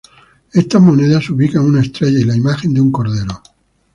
Estas monedas ubican una estrella y la imagen de un cordero.